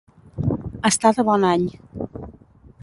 Estar de bon any.